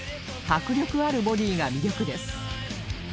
迫力あるボディーが魅力です